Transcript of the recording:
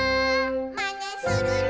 「まねするな」